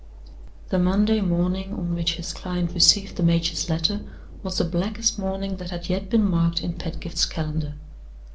The Monday morning on which his client received the major's letter was the blackest Monday that had yet been marked in Pedgift's calendar.